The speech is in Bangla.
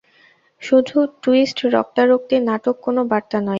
শুধু টুইস্ট, রক্তারক্তি, নাটক, কোনো বার্তা নেই।